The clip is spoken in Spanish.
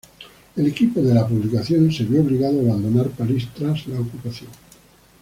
El equipo de la publicación se vio obligado a abandonar París tras la ocupación.